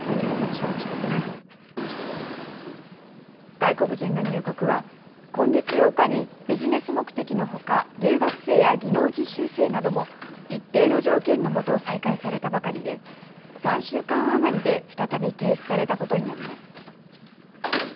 外国人の入国は今月８日にビジネス目的のほか留学生や技能実習生なども一定の条件のもと、再開されたばかりで３週間余りで再び停止されたことになります。